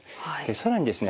更にですね